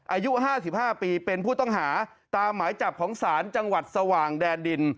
อายุ๕๕ปีเป็นผู้ต้องหาตามหมายจับของศาลจังหวัดสว่างแดนดิน